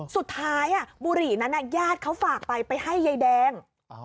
สุดท้ายบุหรี่นั้นญาติเขาฝากไปไปให้ยายแดง